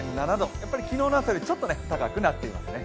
やっぱり昨日の朝よりちょっと高くなっています。